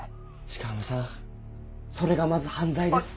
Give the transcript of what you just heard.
鹿浜さんそれがまず犯罪です。